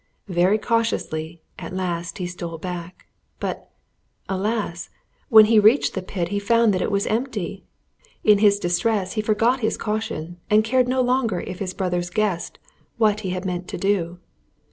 Very cautiously at last he stole back. But, alas! when he reached the pit he found that it was empty. In his distress he forgot his caution, and cared no longer if his brothers guessed what he had meant to do.